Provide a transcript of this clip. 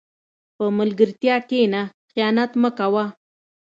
په ملګرتیا کښېنه، خیانت مه کوه.